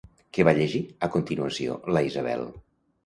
Què va llegir, a continuació, la Isabel?